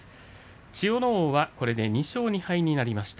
千代ノ皇はこれで２勝２敗になりました。